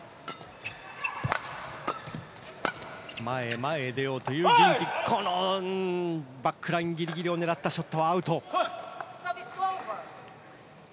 前へ出ようというギンティンバックラインギリギリを狙ったショットはアウト。